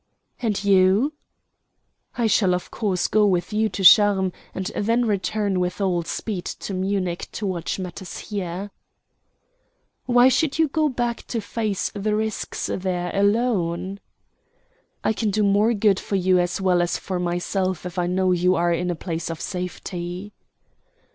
"And you?" "I shall of course go with you to Charmes, and then return with all speed to Munich to watch matters there." "Why should you go back to face the risks there alone?" "I can do more good for you as well as for myself if I know you are in a place of safety."